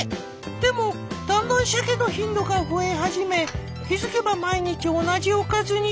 でもだんだんシャケの頻度が増え始め気付けば毎日同じおかずに。